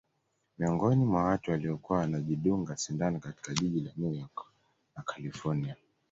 Miongoni mwa watu waliokuwa wanajidunga sindano katika jiji la New York na kalifornia